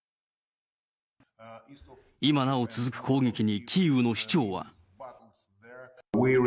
今なお続く攻撃に、キーウの市長は。